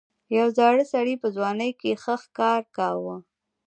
یو زاړه سړي په ځوانۍ کې ښه ښکار کاوه.